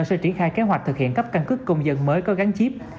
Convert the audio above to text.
sẽ triển khai kế hoạch thực hiện cấp cân cước công dân mới có gắn chiếc